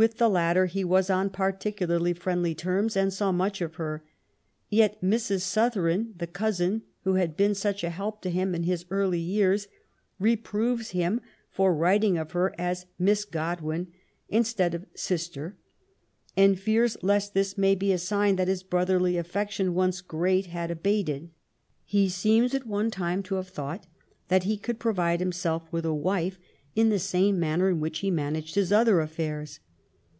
With the latter he was on particularly friendly terms, and saw much of her, yet Mrs. Sothren — ^the cousin who had been such a help to him in his early years — reproves him for writing of her as '* Miss Godwin '' instead of " sister,'^ and fears lest this may be a sign that his brotherly affection, once great, had abated. He seems at one time to have thought that he could provide himself with a wife in the same manner in. WILLIAM GODWIN. 179 whicli he managed his other affairs.